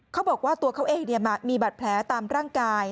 เขาบอกว่าตัวเขาเองมีบัตรแผลตามร่างกาย